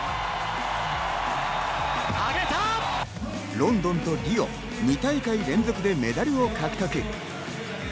ロンドンとリオ、２大会連続でメダルを獲得。